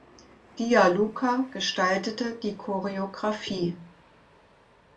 Dia Luca gestaltete die Choreografie.